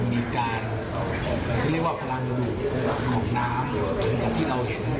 มีความเสียงหายและวิธีทางที่กลายเป็นคือเรือขึ้นมา